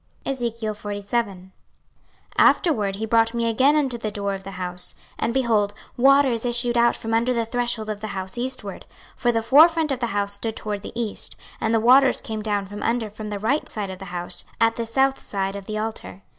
26:047:001 Afterward he brought me again unto the door of the house; and, behold, waters issued out from under the threshold of the house eastward: for the forefront of the house stood toward the east, and the waters came down from under from the right side of the house, at the south side of the altar.